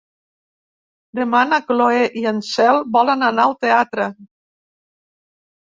Demà na Cloè i na Cel volen anar al teatre.